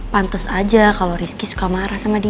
pantes aja kalau rizky suka marah sama dia